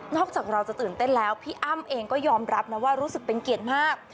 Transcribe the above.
จากเราจะตื่นเต้นแล้วพี่อ้ำเองก็ยอมรับนะว่ารู้สึกเป็นเกียรติมาก